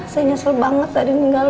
saya nyesel banget tadi meninggal